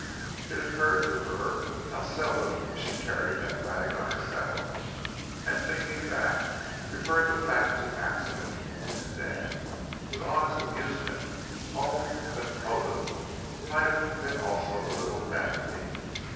It occurred to her how seldom she carried that bag on her saddle, and, thinking back, referred the fact to accident, and then with honest amusement owned that the motive might have been also a little vanity.